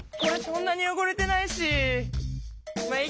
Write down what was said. そんなによごれてないし。